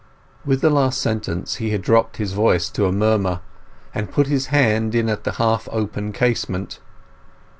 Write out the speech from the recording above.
With the last sentence he had dropped his voice to a murmur, and put his hand in at the half open casement.